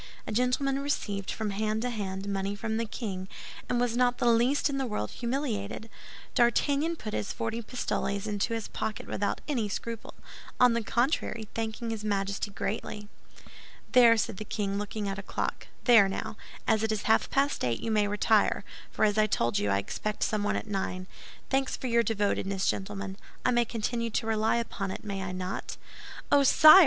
A gentleman received, from hand to hand, money from the king, and was not the least in the world humiliated. D'Artagnan put his forty pistoles into his pocket without any scruple—on the contrary, thanking his Majesty greatly. "There," said the king, looking at a clock, "there, now, as it is half past eight, you may retire; for as I told you, I expect someone at nine. Thanks for your devotedness, gentlemen. I may continue to rely upon it, may I not?" "Oh, sire!"